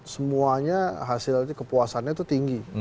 semuanya hasilnya kepuasannya itu tinggi